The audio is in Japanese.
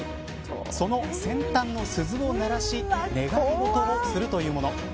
その先端の鈴を鳴らし願い事をするというもの。